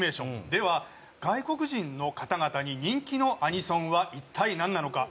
では、外国人の方々に人気のアニソンは、一体、なんなのか？